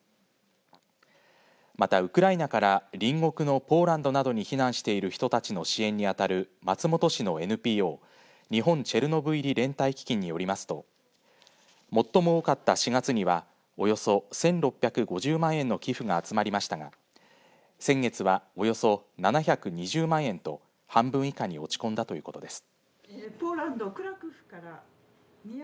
また、ウクライナから隣国のポーランドなどに避難している人たちの支援に当たる松本市のＮＰＯ日本チェルノブイリ連帯基金によりますと最も多かった４月にはおよそ１６５０万円の寄付が集まりましたが先月は、およそ７２０万円と半分以下に落ち込んだということです。